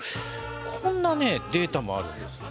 こんなねデータもあるんです。